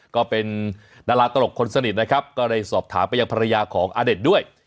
ก็เป็นดาราตลกคนสนิทนะครับก็ได้สอบถามไปยังภรรยาของอเด็ดด้วย